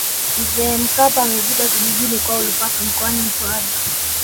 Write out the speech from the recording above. mzee mkapa amezikwa kijijini kwao lupaso mkoani mtwara